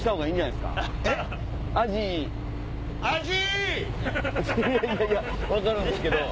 いやいや分かるんですけど。